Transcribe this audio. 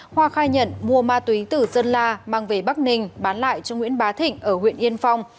hoa khai nhận mua ma túy từ sơn la mang về bắc ninh bán lại cho nguyễn bá thịnh ở huyện yên phong